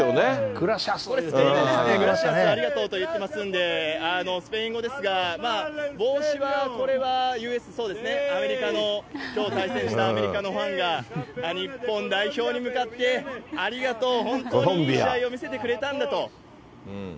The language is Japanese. グラシアス、これ、スペイン語ですね、グラシアス・ありがとうと言ってますんで、帽子はこれはＵＳＡ、アメリカのきょう対戦したアメリカのファンが、日本代表に向かってありがとう、本当にいい試合を見せてくれたんだと。